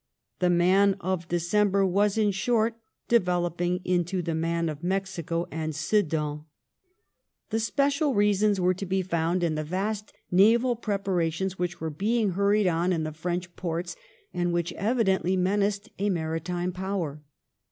The man of December was, in short, developing into the man of Mexico and Sedan. 220 LIFE OF VISCOUNT PALMEB8T0N. The special reasons were to be found in the vast narai preparations which were being hurried on in the French ports, and which evidently menaced a maritime power.